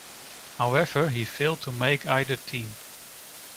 However, he failed to make either team.